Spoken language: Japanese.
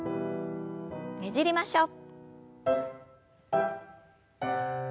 ねじりましょう。